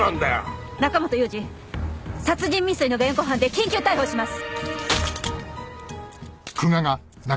中本祐次殺人未遂の現行犯で緊急逮捕します。